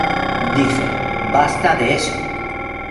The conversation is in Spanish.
Dije, 'basta de eso'.